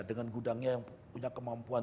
dengan gudangnya yang punya kemampuan